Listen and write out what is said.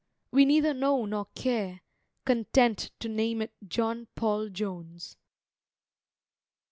We neither know nor care, Content to name it John Paul Jones.